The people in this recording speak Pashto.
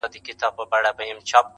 زما په ږغ به د سرو ګلو غنچي وا سي,